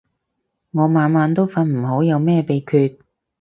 我晚晚都瞓唔好，有咩秘訣